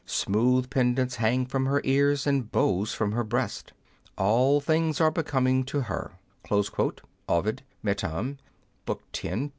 Smooth pendants hang from her ears, and bows from her breast. All things are becoming to her." — Ovid, Metam, x. 254 266.